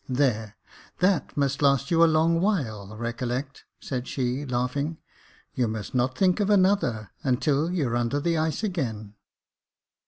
" There, that must last you a long while, recollect," said she, laughing ;" you must not think of another, until you're under the ice again."